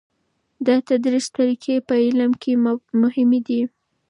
د تدریس طریقی په علم کې مهمې دي.